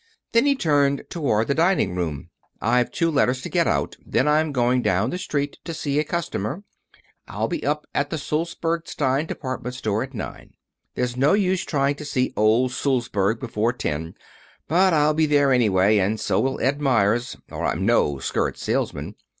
Then, as he turned toward the dining room, "I've two letters to get out. Then I'm going down the street to see a customer. I'll be up at the Sulzberg Stein department store at nine sharp. There's no use trying to see old Sulzberg before ten, but I'll be there, anyway, and so will Ed Meyers, or I'm no skirt salesman.